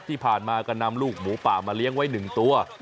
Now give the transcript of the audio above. ที่ผ่านมาก็นำลูกหมูป่ามาเลี้ยงไว้๑ตัว